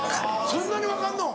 そんなに分かんの？